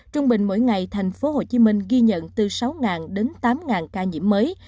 trung bình mỗi ngày thành phố hồ chí minh ghi nhận từ sáu đến tám ca nhiễm mới